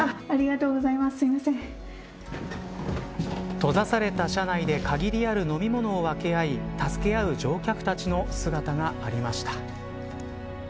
閉ざされた車内で限りある飲み物を分け合い助け合う乗客たちの姿がありました。